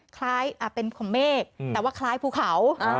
คล้ายเป็นของเมฆแต่ว่าคล้ายภูเขา